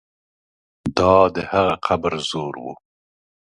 دا د هغه قبر زور وو.